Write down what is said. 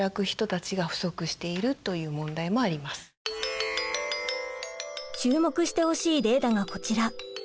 また注目してほしいデータがこちら。